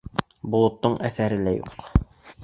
Болоттоң әҫәре лә юҡ.